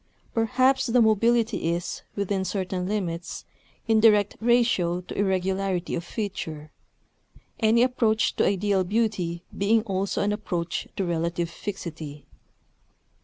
Perhaps the mobility is, within certain limits, in direct ratio to irregularity of feature; any approach to ideal beauty being also an approach to relative fixity.